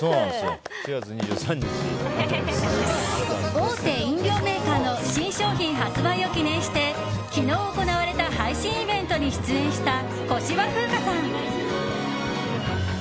大手飲料メーカーの新商品発売を記念して昨日行われた配信イベントに出演した小芝風花さん。